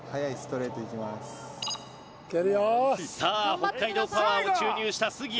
北海道パワーを注入した杉谷。